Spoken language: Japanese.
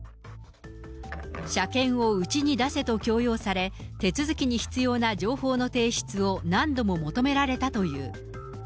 車検をうちに出せと強要され、手続きに必要な情報の提出を何度も求められたという。